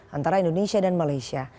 antara indonesia dan malaysia